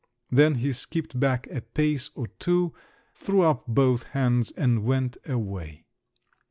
_)" Then he skipped back a pace or two, threw up both hands, and went away.